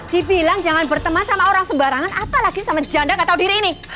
dibilang jangan berteman sama orang sebarangan apalagi sama janda kata diri ini